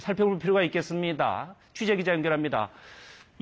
はい。